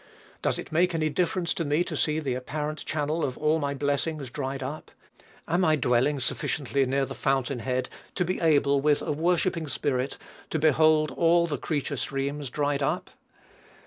Does it make any difference to me to see the apparent channel of all my blessings dried up? Am I dwelling sufficiently near the fountain head to be able, with a worshipping spirit, to behold all the creature streams dried up?